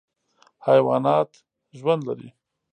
حیوانات ژوند لري.